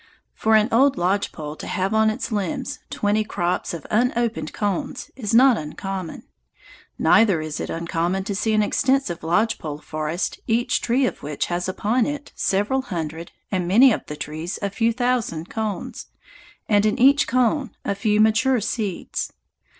For an old lodge pole to have on its limbs twenty crops of unopened cones is not uncommon. Neither is it uncommon to see an extensive lodge pole forest each tree of which has upon it several hundred, and many of the trees a few thousand, cones, and in each cone a few mature seeds.